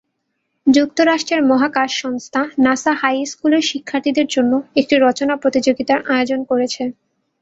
যুক্তরাষ্ট্রের মহাকাশ সংস্থা নাসা হাইস্কুলের শিক্ষার্থীদের জন্য একটি রচনা প্রতিযোগিতার আয়োজন করেছে।